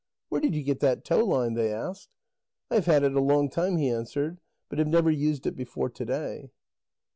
"Where did you get that tow line?" they asked. "I have had it a long time," he answered, "but have never used it before to day."